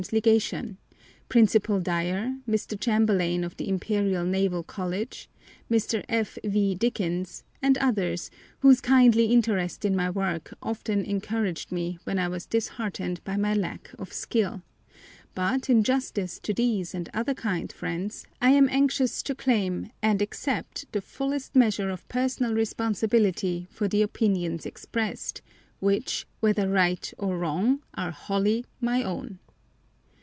's Legation, Principal Dyer, Mr. Chamberlain of the Imperial Naval College, Mr. F. V. Dickins, and others, whose kindly interest in my work often encouraged me when I was disheartened by my lack of skill; but, in justice to these and other kind friends, I am anxious to claim and accept the fullest measure of personal responsibility for the opinions expressed, which, whether right or wrong, are wholly my own.